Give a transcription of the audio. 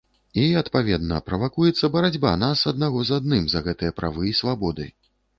І, адпаведна, правакуецца барацьба нас аднаго з адным за гэтыя правы і свабоды.